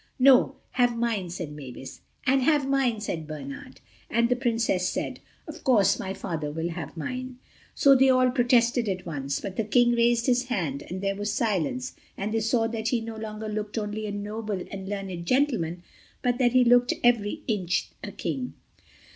"No, have mine," said Mavis—and "have mine," said Bernard, and the Princess said, "Of course my Father will have mine." So they all protested at once. But the King raised his hand, and there was silence, and they saw that he no longer looked only a noble and learned gentleman, but that he looked every inch a King.